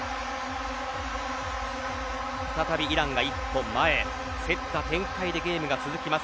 再びイランが一歩前へ競った展開でゲームが続きます。